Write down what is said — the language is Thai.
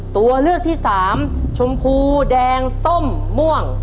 ตัวเลือกที่สามชมพูแดงส้มม่วง